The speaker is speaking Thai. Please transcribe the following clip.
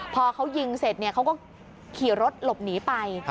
พอเขายิงเสร็จเขาก็ขี่รถหลบหนีไป